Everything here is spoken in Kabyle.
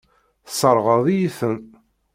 Tesseṛɣeḍ-iyi-ten.